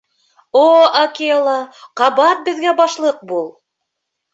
— О Акела, ҡабат беҙгә башлыҡ бул!